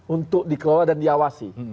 untuk dikelola dan diawasi